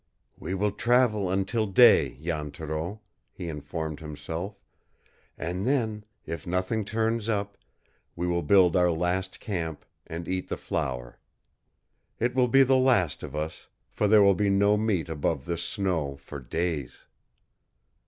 "We will travel until day, Jan Thoreau," he informed himself, "and then, if nothing turns up, we will build our last camp, and eat the flour. It will be the last of us, for there will be no meat above this snow for days."